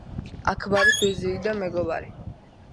აქბარის ვეზირი და მეგობარი.